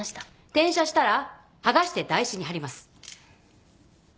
転写したら剥がして台紙にはります。